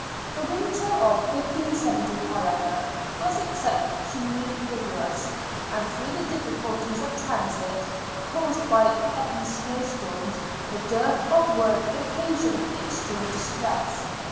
The winter of 1570, however, was exceptionally rigorous, and through the diificulties of transit, caused by heavy snowstorms, the dearth of wood occasioned extreme distress.